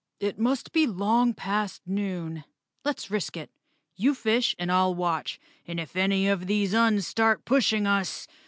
"It must be long past noon. Let's risk it. You fish and I'll watch, and if any of these Uns start pushing us—."